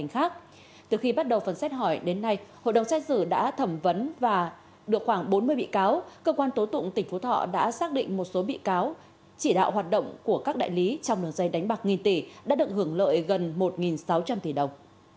họ đã xác định một số bị cáo chỉ đạo hoạt động của các đại lý trong đường dây đánh bạc nghìn tỷ đã được hưởng lợi gần một sáu trăm linh tỷ đồng